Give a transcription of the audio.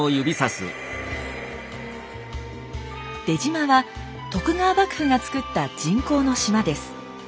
出島は徳川幕府がつくった人工の島です。